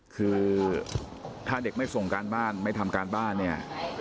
คือถ้าเด็กไม่ส่งการบ้านไม่ทำการบ้านเนี่ย